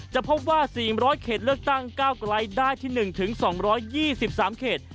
จะพบว่า๔๐๐เสียงเลือกตั้งก้าวกรายได้ที่๑๒๒๓เสียง